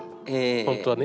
本当はね。